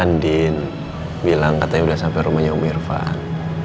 andin bilang katanya udah sampe rumahnya om irfan